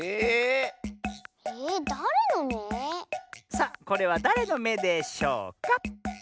さあこれはだれのめでしょうか？